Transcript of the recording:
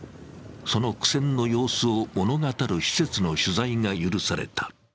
その苦戦の様子を物語る施設の取材が許された。